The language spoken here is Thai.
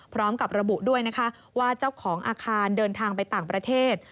พร้อมกับระบุด้วยนะคะว่าเจ้าของอาคารเดินทางไปต่างประเทศ